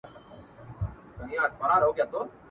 لکه په مني کي له وني رژېدلې پاڼه !.